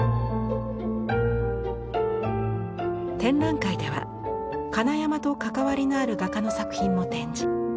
展覧会では金山と関わりのある画家の作品も展示。